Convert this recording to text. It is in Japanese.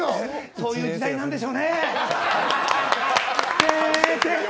そういう時代なんでしょうねえ。